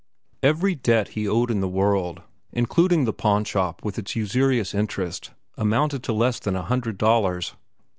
Every debt he owed in the world, including the pawnshop, with its usurious interest, amounted to less than a hundred dollars.